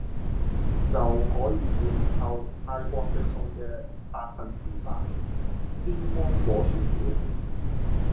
就可以換購泰國直送嘅百分之百鮮芒果雪條